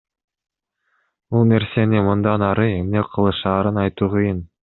Бул нерсени мындан ары эмне кылышаарын айтуу кыйын.